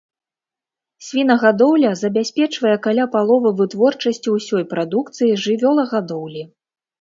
Свінагадоўля забяспечвае каля паловы вытворчасці ўсёй прадукцыі жывёлагадоўлі.